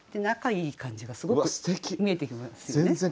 仲いい感じがすごく見えてきますよね。